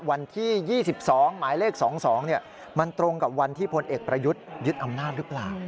วันที่๒๒หมายเลข๒๒มันตรงกับวันที่พลเอกประยุทธ์ยึดอำนาจหรือเปล่า